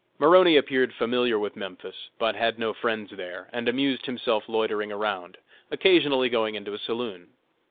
Maroney appeared familiar with Memphis, but had no friends there, and amused himself loitering around, occasionally going into a saloon.